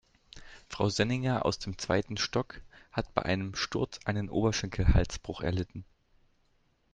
Frau Senninger aus dem zweiten Stock hat bei einem Sturz einen Oberschenkelhalsbruch erlitten.